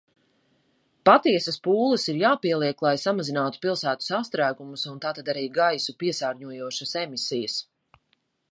Patiesas pūles ir jāpieliek, lai samazinātu pilsētu sastrēgumus un tātad arī gaisu piesārņojošas emisijas.